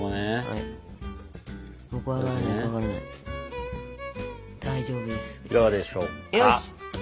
いかがでしょうか？